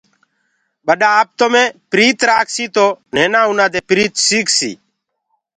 ٻڏآ آپتو مي پريت رآکسيٚ تو نهينآ آُنآ دي پريت سيٚڪسيٚ